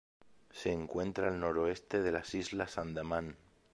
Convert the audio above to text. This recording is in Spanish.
Se encuentra al noroeste de las Islas Andamán.